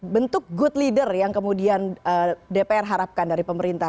bentuk good leader yang kemudian dpr harapkan dari pemerintah